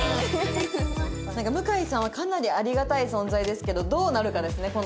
向さんはかなりありがたい存在ですけどどうなるかですね